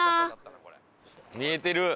見えてる。